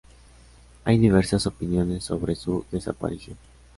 Hay diversas opiniones sobre su desaparición.